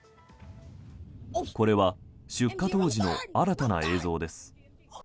これは出火当時の新たな映像です。